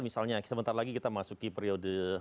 misalnya sebentar lagi kita masuki periode